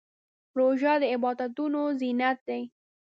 روژه د عبادتونو زینت دی.